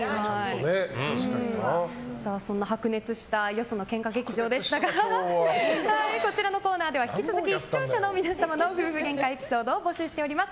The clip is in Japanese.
そんな白熱したよその喧嘩劇場でしたがこちらのコーナーでは引き続き、視聴者の皆様の夫婦ゲンカエピソードを募集しております。